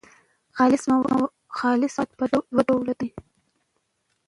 خالص مواد پر دوو ډولو دي.